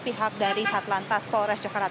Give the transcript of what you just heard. pihak dari satlantas polres jakarta